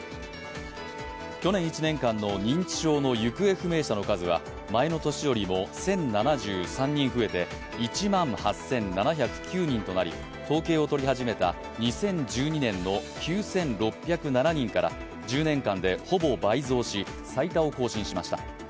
去年１年間の認知症の行方不明者の数は前の年よりも１０７３人増えて１万８７０９人となり統計を取り始めた２０１２年の９６０７人から１０年間でほぼ倍増し最多を更新しました。